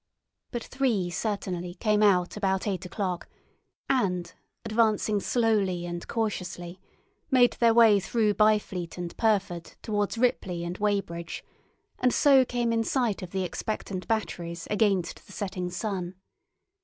But three certainly came out about eight o'clock and, advancing slowly and cautiously, made their way through Byfleet and Pyrford towards Ripley and Weybridge, and so came in sight of the expectant batteries against the setting sun.